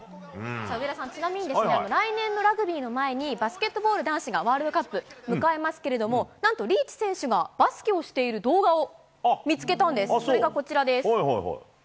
上田さん、ちなみに、来年のラグビーの前に、バスケットボール男子がワールドカップ迎えますけど、なんとリーチ選手がバスケをしている動画を見つけたんです、それがこちらです。